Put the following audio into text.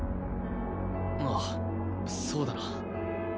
ああそうだな。